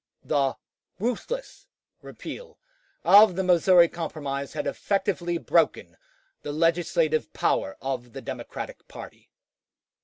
The "ruthless" repeal of the Missouri Compromise had effectually broken the legislative power of the Democratic party.